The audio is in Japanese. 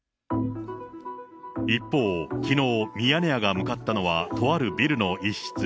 一方、きのう、ミヤネ屋が向かったのはとあるビルの一室。